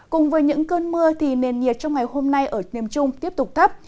cùng với những cơn mưa nền nhiệt trong ngày hôm nay ở niềm trung tiếp tục thấp